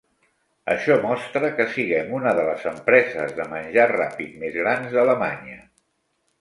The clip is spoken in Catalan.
Això mostra que siguem una de les empreses de menjar ràpid més grans d'Alemanya.